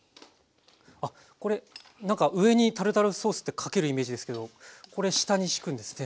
あっこれなんか上にタルタルソースってかけるイメージですけどこれ下にしくんですね